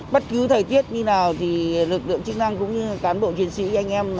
bất cứ thời tiết như nào lực lượng chức năng cán bộ chiến sĩ anh em